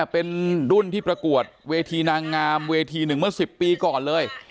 เป็นรุ่นที่ประกวดเวทีนางงามเวทีหนึ่งเมื่อ๑๐ปีก่อนเลย